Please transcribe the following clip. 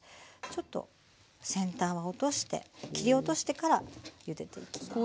ちょっと先端は落として切り落としてからゆでていきます。